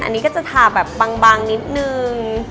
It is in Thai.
อันนี้ก็จะทาแบบบางนิดนึง